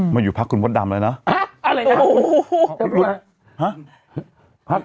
มาอยู่พักคุณบนดำเนอะฮะอะไรนะโหฮูฮูฮันวุ่น